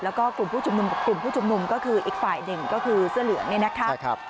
แล้วก็กลุ่มผู้ชุมนุมกับกลุ่มผู้ชุมนุมก็คืออีกฝ่ายหนึ่งก็คือเสื้อเหลืองเนี่ยนะคะ